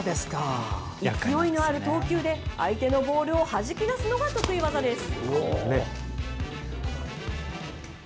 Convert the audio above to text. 勢いのある投球で相手のボールをはじき出すのが得意技です。